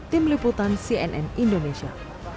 tim liputan cnn indonesia